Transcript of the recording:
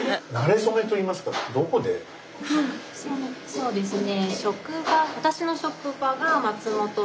そうですね。